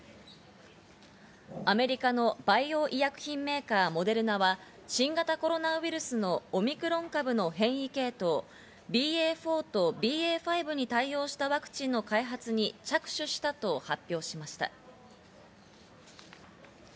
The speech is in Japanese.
アメリカのバイオ医薬品メーカー、モデルナは新型コロナウイルスのオミクロン株の変異系統、ＢＡ．４とＢＡ．５に対応したワクチンの開発に着手したと発表しました。